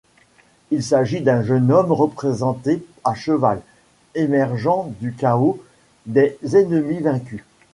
Il s'agit d'un jeune homme représenté à cheval, émergeant du chaos des ennemis vaincus.